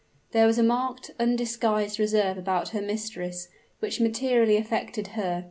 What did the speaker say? There was a marked, undisguised reserve about her mistress which materially affected her.